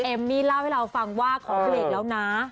เอมมี่เล่าให้เราฟังว่าขอเบรกแล้วนะ